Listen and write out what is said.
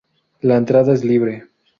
La entrada es libre.